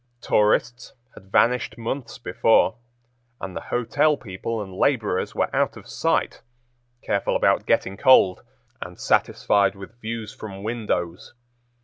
Tourists had vanished months before, and the hotel people and laborers were out of sight, careful about getting cold, and satisfied with views from windows.